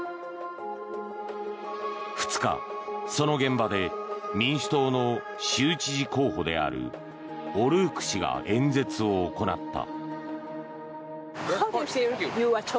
２日、その現場で民主党の州知事候補であるオルーク氏が演説を行った。